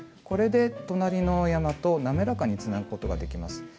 これで隣の山と滑らかにつなぐことができます。